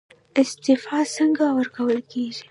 استعفا څنګه ورکول کیږي؟